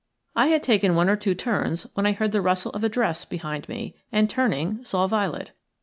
I had taken one or two turns when I heard the rustle of a dress behind me, and, turning, saw Violet.